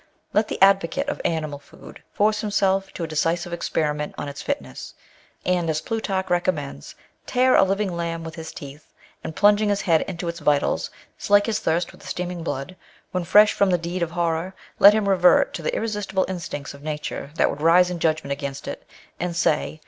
Let the advo cate of animal food force himself to a decisive experiment on its fitness, and, as Plutarch recommends, tear a living lamb widi his teeth, and plunging his head into its vitals, slake his thirst with the steaming blood; when fresh from the deed of horror, let Jiim revert to the irresistible instincts of nature that would rise in judgment against it, and say.